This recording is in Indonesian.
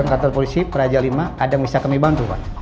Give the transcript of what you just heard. dari kantor polisi peraja lima adam misakami bantu pak